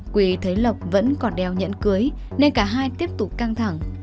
quỳ thấy lộc vẫn còn đeo nhẫn cưới nên cả hai tiếp tục căng thẳng